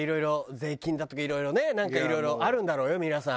税金だとかいろいろねなんかいろいろあるんだろうよ皆さん。